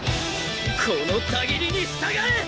この滾りに従え！